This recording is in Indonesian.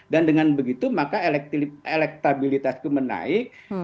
dan dengan begitu maka elektabilitasku menaik